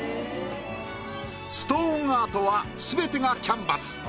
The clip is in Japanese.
ストーンアートはすべてがキャンバス。